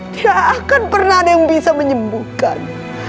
tidak akan pernah ada yang bisa menyembuhkan